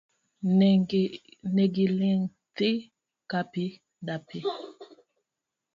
Ne giling' thii kapi dapi.